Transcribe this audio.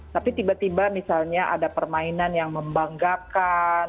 tapi tiba tiba misalnya ada permainan yang membanggakan